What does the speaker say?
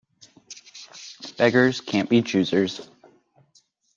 Beggars can't be choosers.